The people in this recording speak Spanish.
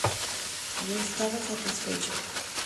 Yo estaba satisfecho.